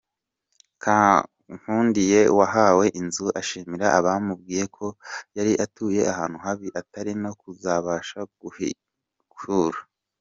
Kankundiye wahawe inzu, ashimira abamwubakiye, ko yari atuye ahantu habi, atari no kuzabasha kuhikura.